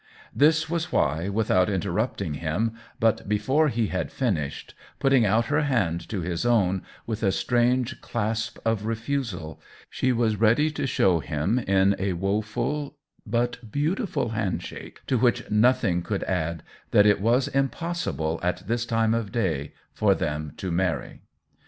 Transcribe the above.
This was why, without interrupting him, but before he had finished, putting out her hand to his own, with a strange clasp of refusal, THE WHEEL OF TIME 83 she was ready to show him, in a woful but beautiful headshake to which nothing could add, that it was impossible at this time of day for them to marry.